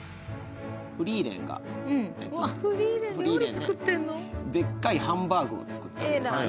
フリーレンがでっかいハンバーグを作った。